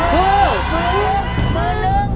ก็เป็น๑